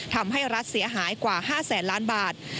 ทำให้รัฐเสียหายกว่า๕แสนล้านบาท